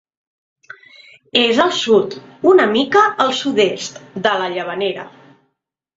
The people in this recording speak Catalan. És al sud, una mica al sud-est, de la Llavanera.